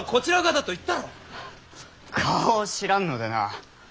顔を知らんのでな。